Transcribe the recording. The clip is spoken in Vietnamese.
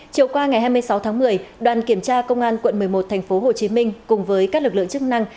chiều qua ngày hai mươi sáu tháng một mươi đoàn kiểm tra công an quận một mươi một tp hcm cùng với các lực lượng chức năng